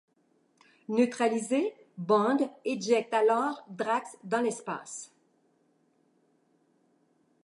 Neutralisé, Bond éjecte alors Drax dans l'espace.